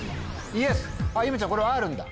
ゆめちゃんこれはあるんだ。